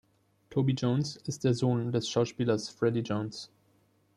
Toby Jones ist der Sohn des Schauspielers Freddie Jones.